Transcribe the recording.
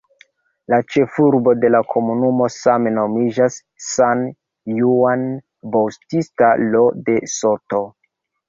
La ĉefurbo de la komunumo same nomiĝas "San Juan Bautista Lo de Soto".